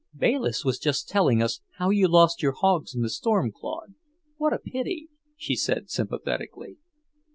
"Bayliss was just telling us how you lost your hogs in the storm, Claude. What a pity!" she said sympathetically.